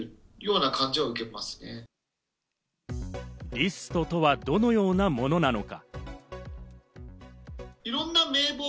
リストとはどのようなものなのか？